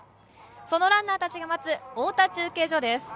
そのランナーたちが待つ太田中継所です。